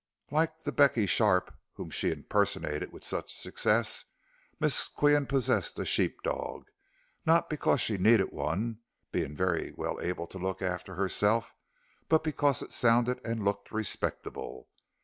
Like the Becky Sharp whom she impersonated with such success, Miss Qian possessed a sheep dog, not because she needed one, being very well able to look after herself, but because it sounded and looked respectable.